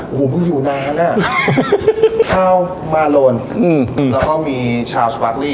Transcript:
โอ้โหเพิ่งอยู่นานอ่ะคาลมาโลนอืมแล้วก็มีชาวส์วัคลี่